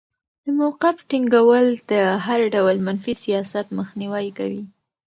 د موقف ټینګول د هر ډول منفي سیاست مخنیوی کوي.